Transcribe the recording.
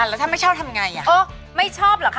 อะแล้วถ้าไม่ชอบทำอย่างไรอะเออไม่ชอบเหรอคะ